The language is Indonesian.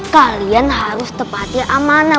kalian harus tepatin amanah